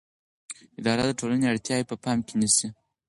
اداره د ټولنې اړتیاوې په پام کې نیسي.